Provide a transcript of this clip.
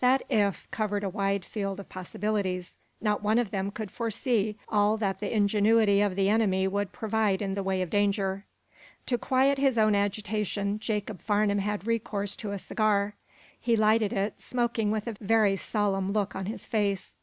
That "if" covered a wide field of possibilities. Not one of them could foresee all that the ingenuity of the enemy would provide in the way of danger. To quiet his own agitation Jacob Farnum had recourse to a cigar. He lighted it, smoking with a very solemn look on his face.